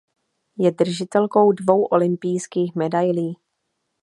Je držitelkou dvou olympijských medailí.